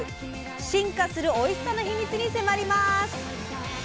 進化するおいしさの秘密に迫ります！